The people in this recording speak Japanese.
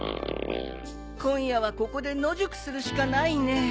今夜はここで野宿するしかないね。